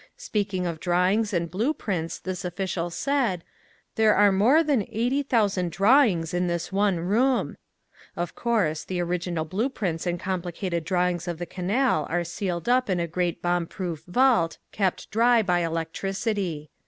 Speaking of drawings and blue prints this official said: "There are more than eighty thousand drawings in this one room." Of course, the original blue prints and complicated drawings of the canal are sealed up in a great bomb proof vault, kept dry by electricity.